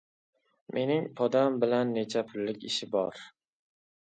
Mening podam bilan necha pullik ishi bor?